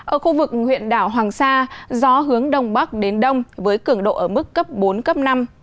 ở khu vực huyện đảo hoàng sa gió hướng đông bắc đến đông với cường độ ở mức cấp bốn cấp năm